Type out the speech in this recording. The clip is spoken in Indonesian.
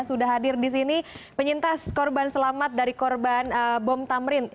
sudah hadir di sini penyintas korban selamat dari korban bom tamrin